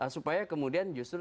supaya kemudian justru